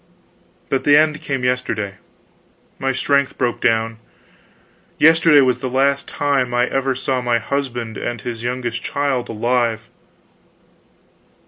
But the end came yesterday; my strength broke down. Yesterday was the last time I ever saw my husband and this youngest child alive.